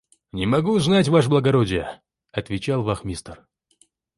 – Не могу знать, ваше благородие, – отвечал вахмистр.